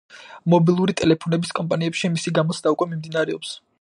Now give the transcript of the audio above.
მობილური ტელეფონების კომპანიებში მისი გამოცდა უკვე მიმდინარეობს.